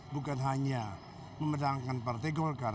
bukan hanya memenangkan partai golkar